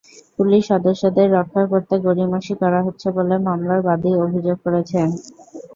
Police সদস্যদের রক্ষা করতে গড়িমসি করা হচ্ছে বলে মামলার বাদী অভিযোগ করেছেন।